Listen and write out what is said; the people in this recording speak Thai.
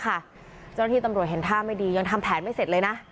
เจ้าหน้าที่ตำรวจเห็นท่าไม่ดียังทำแผนไม่เสร็จเลยนะ